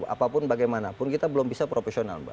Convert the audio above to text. apapun bagaimanapun kita belum bisa profesional mbak